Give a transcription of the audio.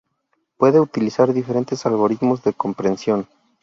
Puede utilizar diferentes algoritmos de compresión.